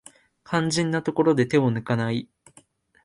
肝心なところで手を抜かない